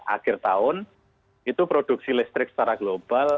akhir tahun itu produksi listrik secara global